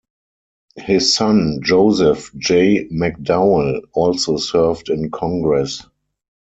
His son Joseph J. McDowell also served in Congress.